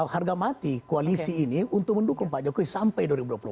harga mati koalisi ini untuk mendukung pak jokowi sampai dua ribu dua puluh empat